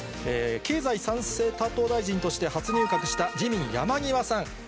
経済再生担当大臣として初入閣した自民、山際さん。